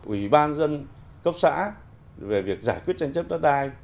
ủy ban dân cấp xã về việc giải quyết tranh chấp đất đai